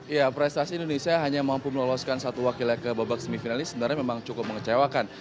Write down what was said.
ya prestasi indonesia hanya mampu meloloskan satu wakilnya ke babak semifinal ini sebenarnya memang cukup mengecewakan